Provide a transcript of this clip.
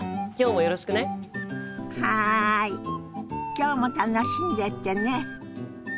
今日も楽しんでってね！